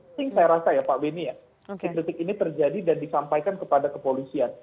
penting saya rasa ya pak beni ya kritik kritik ini terjadi dan disampaikan kepada kepolisian